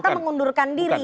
pak hata mengundurkan diri